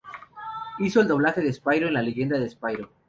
Hizo el doblaje de Spyro en "La leyenda de Spyro".